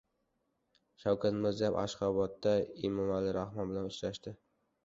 Shavkat Mirziyoev Ashxobodda Emomali Rahmon bilan uchrashdi